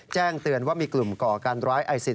แจ้งเตือนว่ามีกลุ่มก่อการร้ายไอซิล